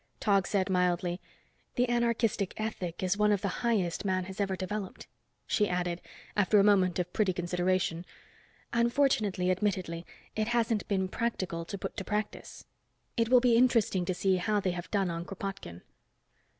Tog said mildly, "The anarchistic ethic is one of the highest man has ever developed." She added, after a moment of pretty consideration. "Unfortunately, admittedly, it hasn't been practical to put to practice. It will be interesting to see how they have done on Kropotkin."